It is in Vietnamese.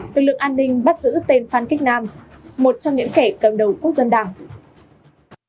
lực lượng an ninh bắt giữ tên phan kích nam một trong những kẻ cầm đầu quốc dân đảng